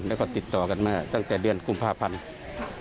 แล้วก็ติดต่อกันมาตั้งแต่เดือนกุมภาพันธ์